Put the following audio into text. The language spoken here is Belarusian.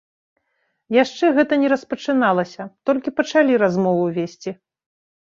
Яшчэ гэта не распачыналася, толькі пачалі размову весці.